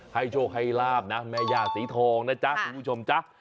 โชคให้ลาบนะแม่ย่าสีทองนะจ๊ะคุณผู้ชมจ๊ะ